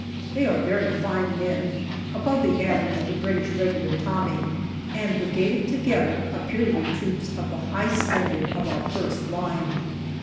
They are very fine men,, above the average of the British Regular Tommy, and brigaded together appear to be troops of the high standard of our first line.